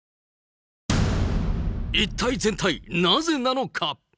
一体全体、なぜなのか。